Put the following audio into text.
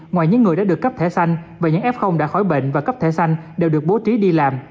ngoài những người đã được cấp thẻ xanh và những f đã khỏi bệnh và cấp thẻ xanh đều được bố trí đi làm